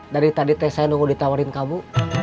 dari tadi teh saya nunggu ditawarin kamu